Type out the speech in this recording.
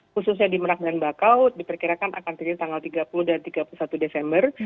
khususnya di merak dan bakau diperkirakan akan terjadi tanggal tiga puluh dan tiga puluh satu desember